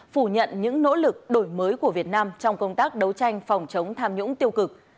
phủ nhận những nỗ lực đổi mới của việt nam trong công tác đấu tranh phòng chống tham nhũng tiêu cực